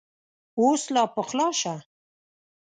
اوس لا پخلا شه !